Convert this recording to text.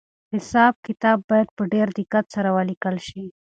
حساب کتاب باید په ډېر دقت سره ولیکل شي.